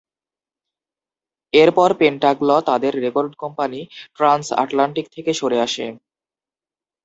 এরপর পেন্টাগ্ল তাদের record company Transatlantic থেকে সরে আসে।